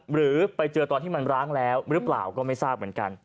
หรือไปเจอตอนที่มันร้างแล้วหรือเปล่าก็ไม่ทราบเหมือนกัน